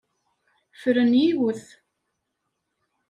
Fren yiwet.